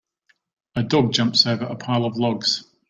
A dog jumps over a pile of logs.